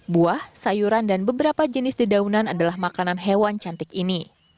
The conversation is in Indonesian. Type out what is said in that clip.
buah sayuran dan beberapa jenis dedaunan adalah makanan hewan cantik ini